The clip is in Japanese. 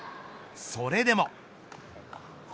それでも。